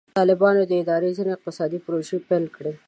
د طالبانو اداره ځینې اقتصادي پروژې پیل کړي دي.